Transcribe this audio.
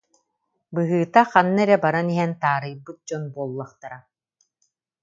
Быһыыта, ханна эрэ баран иһэн таарыйбыт «дьон» буоллахтара